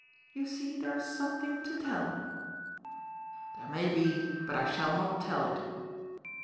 You see there is something to tell." « There may be, but I shall not tell it."